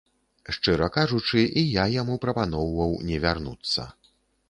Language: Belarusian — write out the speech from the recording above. Шчыра кажучы, і я яму прапаноўваў не вярнуцца.